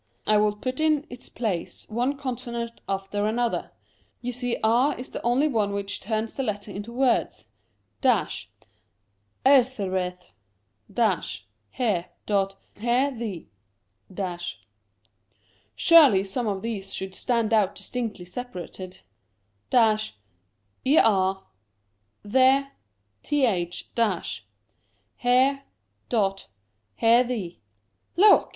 I will put in its place one con sonant after another. You see r is the only one which turns the letters into words. — erthereth — here . here the — surely some of these should stand out distinctly separated — er there th — here , here the. Look